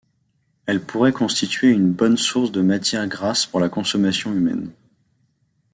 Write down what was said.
Elle pourrait constituer une bonne source de matières grasses pour la consommation humaine.